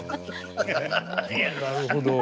なるほど。